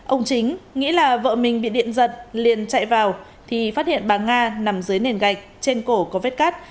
ông chính nghĩ là vợ mình bị điện giật liền chạy vào thì phát hiện bà nga nằm dưới nền gạch trên cổ có vết cắt